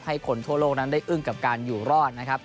คนทั่วโลกนั้นได้อึ้งกับการอยู่รอดนะครับ